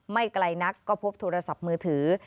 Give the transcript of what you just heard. ไม่ไกลนักก็พบโทรศัพท์มือถือ